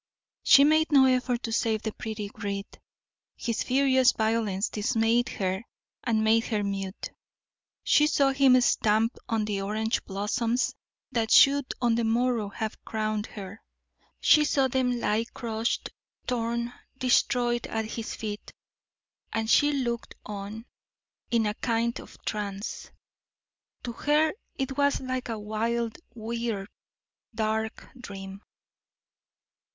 She made no effort to save the pretty wreath; his furious violence dismayed her and made her mute. She saw him stamp on the orange blossoms that should on the morrow have crowned her; she saw them lie crushed, torn, destroyed at his feet, and she looked on in a kind of trance. To her it was like a wild, weird, dark dream.